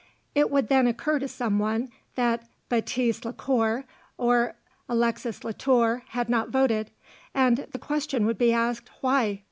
It would then occur to some one that Baptiste La Cour or Alexis La Tour had not voted, and the question would be asked, why?